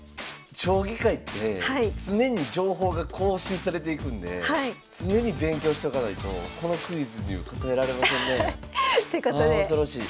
将棋界って常に情報が更新されていくんで常に勉強しとかないとこのクイズには答えられませんねえ。ということであ恐ろしい。